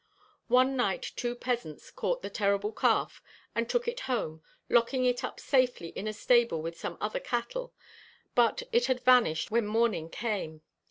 One night two peasants caught the terrible calf and took it home, locking it up safely in a stable with some other cattle, but it had vanished when morning came.